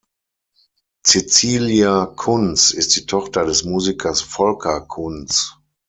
Cecilia Kunz ist die Tochter des Musikers Volker Kunz.